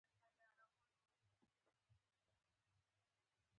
پښتو زموږ د ویاړ، غیرت، او اتحاد ژبه ده.